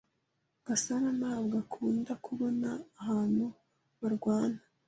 Gasana ntabwo akunda kubona abantu barwana.